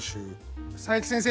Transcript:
佐伯先生